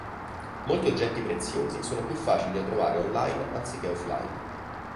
Molti oggetti preziosi sono più facili da trovare online anziché offline.